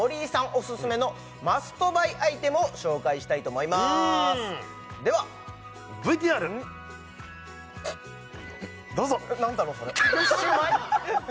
オススメのマストバイアイテムを紹介したいと思いますではＶＴＲどうぞ何だろうそれシューマイ？